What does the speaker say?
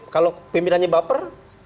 kalau pimpinannya baper